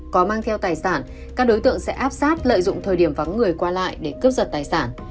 có mang theo tài sản các đối tượng sẽ áp sát lợi dụng thời điểm vắng người qua lại để cướp giật tài sản